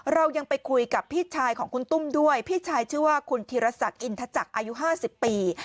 เรายังไปคุยกับพี่ชายของคุณตุ้มด้วยพี่ชายชื่อว่าคุณธีรศักดิ์อินทจักรอายุ๕๐ปี